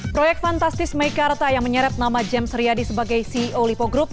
proyek fantastis meikarta yang menyeret nama james riyadi sebagai ceo lipo group